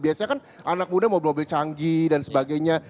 biasanya kan anak muda mobil mobil canggih dan sebagainya